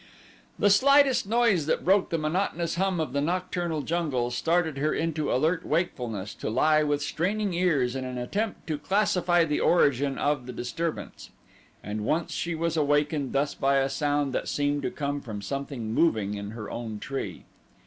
The slightest noise that broke the monotonous hum of the nocturnal jungle startled her into alert wakefulness to lie with straining ears in an attempt to classify the origin of the disturbance, and once she was awakened thus by a sound that seemed to come from something moving in her own tree.